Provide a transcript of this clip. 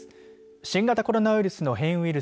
新型コロナウイルスの変異ウイル